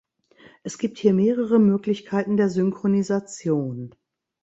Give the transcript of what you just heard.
Es gibt hier mehrere Möglichkeiten der Synchronisation.